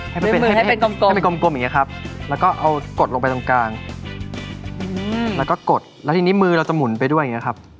ให้มันเป็นให้มันกลมอย่างนี้ครับแล้วก็เอากดลงไปตรงกลางแล้วก็กดแล้วทีนี้มือเราจะหมุนไปด้วยอย่างนี้ครับ